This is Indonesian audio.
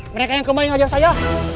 mereka yang kembali mengejar saya